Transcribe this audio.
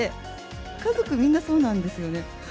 家族みんなそうなんですよね。